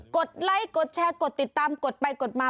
ดไลค์กดแชร์กดติดตามกดไปกดมาก